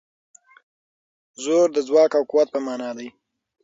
زور د ځواک او قوت په مانا دی.